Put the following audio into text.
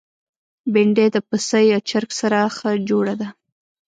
بېنډۍ د پسه یا چرګ سره ښه جوړه ده